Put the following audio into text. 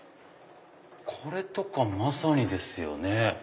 これとかまさにですよね。